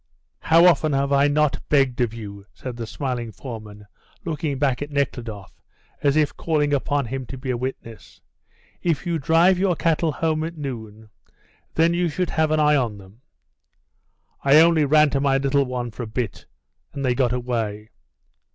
"How often have I not begged of you," said the smiling foreman, looking back at Nekhludoff as if calling upon him to be a witness, "if you drive your cattle home at noon, that you should have an eye on them?" "I only ran to my little one for a bit, and they got away."